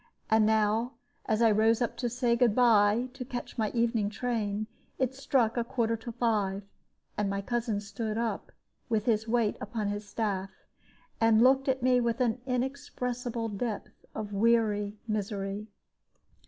And now, as I rose to say good by, to catch my evening train, it struck a quarter to five, and my cousin stood up, with his weight upon his staff, and looked at me with an inexpressible depth of weary misery.